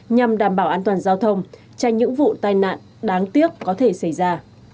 nhằm đảm bảo an toàn giao thông tránh những vụ tai nạn đáng tiếc có thể xảy ra